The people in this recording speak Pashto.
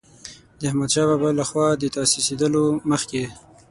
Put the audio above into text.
د احمدشاه بابا له خوا د تاسیسېدلو مخکې.